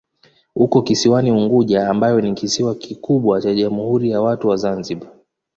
Uko kisiwani Unguja ambayo ni kisiwa kikubwa cha Jamhuri ya Watu wa Zanzibar.